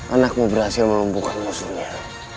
anakmu berhasil memumpukan musuhnya